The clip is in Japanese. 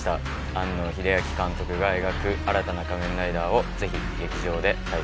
庵野秀明監督が描く新たな仮面ライダーをぜひ劇場で体感してください。